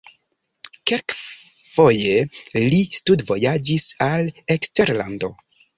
Kelkfoje li studvojaĝis al eksterlando.